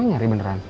emang nyari beneran